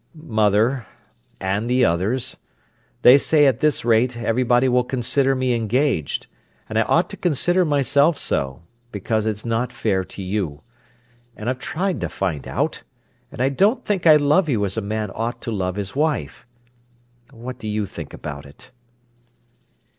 "Mother—and the others. They say at this rate everybody will consider me engaged, and I ought to consider myself so, because it's not fair to you. And I've tried to find out—and I don't think I love you as a man ought to love his wife. What do you think about it?"